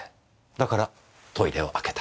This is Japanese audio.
だからトイレを開けた。